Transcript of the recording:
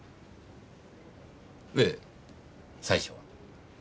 ええ最初は？